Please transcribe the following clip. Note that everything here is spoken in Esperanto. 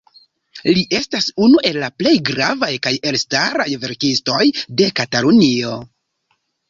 Li estas unu el la plej gravaj kaj elstaraj verkistoj de Katalunio.